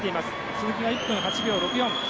鈴木が１分８秒６４。